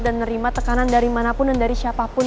dan nerima tekanan dari mana pun dan dari siapa pun